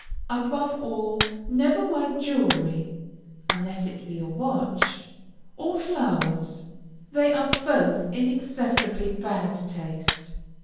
Above all, never wear jewelry, (unless it be your watch,) or flowers; they are both in excessively bad taste.